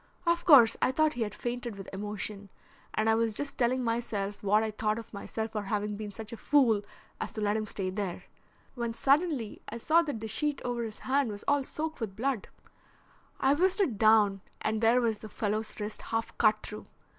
Of course I thought he had fainted with emotion, and I was just telling myself what I thought of myself for having been such a fool as to let him stay there, when suddenly I saw that the sheet over his hand was all soaked with blood; I whisked it down, and there was the fellow's wrist half cut through.